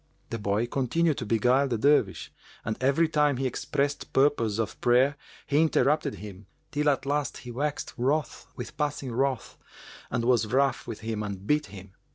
The boy continued to beguile the Dervish and every time he expressed purpose of prayer, he interrupted him, till at last he waxed wroth with passing wrath and was rough with him and beat him.